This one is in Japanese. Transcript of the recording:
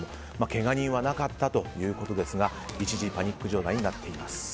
けが人はなかったということですが一時パニック状態になっています。